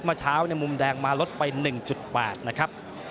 เมื่อเช้าในมุมแดงมาลดไป๑๘นะครับ